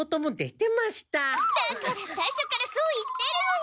だから最初からそう言ってるのに！